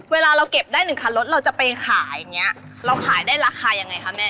เวลาเราเก็บได้๑คันรถเราจะไปขายอย่างนี้เราขายได้ราคายังไงคะแม่